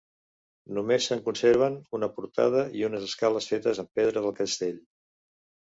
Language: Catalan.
Només se'n conserven una portada i unes escales fetes amb pedra del castell.